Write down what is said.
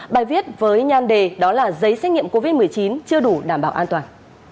bài viết với nhan đề đó là giấy xét nghiệm covid một mươi chín chưa đủ đảm bảo an toàn